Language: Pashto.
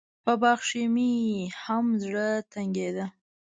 په باغ کښې مې هم زړه تنګېده.